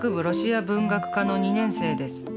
ロシア文学科の２年生です。